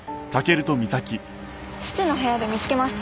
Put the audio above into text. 父の部屋で見つけました。